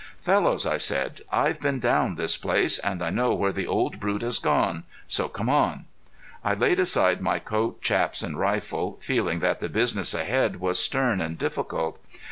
"Fellows," I said, "I've been down this place, and I know where the old brute has gone; so come on." I laid aside my coat, chaps and rifle, feeling that the business ahead was stern and difficult.